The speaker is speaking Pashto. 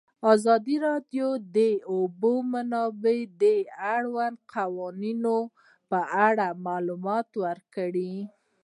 ازادي راډیو د د اوبو منابع د اړونده قوانینو په اړه معلومات ورکړي.